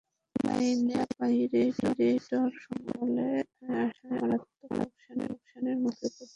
অনলাইনে পাইরেটেড সংস্করণ চলে আসায় মারাত্মক লোকসানের মুখে পড়তে যাচ্ছে ছবিটি।